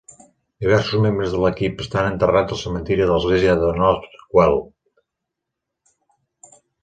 Diversos membres de l'equip estan enterrats al cementiri de l'església de North Weald.